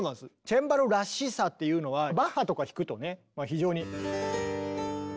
チェンバロらしさっていうのはバッハとか弾くとね非常に。